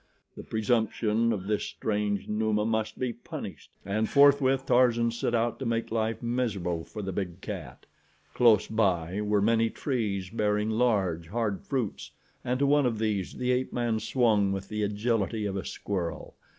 The presumption of this strange Numa must be punished! And forthwith Tarzan set out to make life miserable for the big cat. Close by were many trees bearing large, hard fruits and to one of these the ape man swung with the agility of a squirrel.